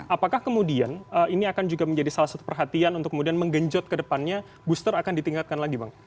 apakah kemudian ini akan juga menjadi salah satu perhatian untuk kemudian menggenjot ke depannya booster akan ditingkatkan lagi bang